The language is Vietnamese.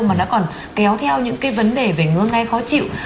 mà nó còn kéo theo những cái vấn đề về ngương ngay khó chịu